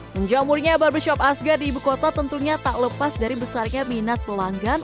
menjamurnya barbershop asgar di ibu kota tentunya tak lepas dari besarnya minat pelanggan